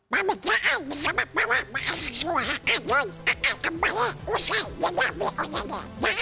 mami jangan bersama bawa bawa semua kanon akan kembali usai jadi ambil ujannya